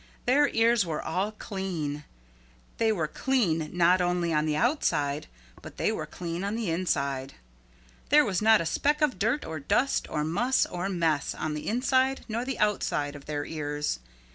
Their ears were all clean. They were clean not only on the outside but they were clean on the inside. There was not a speck of dirt or dust or muss or mess on the inside nor the outside of their ears.